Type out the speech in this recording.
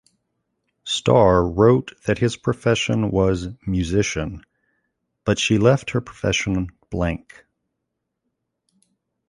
Starr wrote that his profession was 'musician', but she left her profession blank.